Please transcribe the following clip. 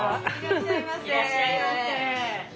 いらっしゃいませ。